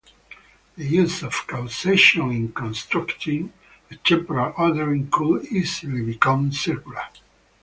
The use of causation in constructing a temporal ordering could easily become circular.